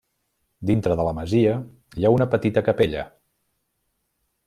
Dintre de la masia hi ha una petita capella.